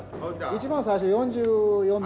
一番最初４４秒。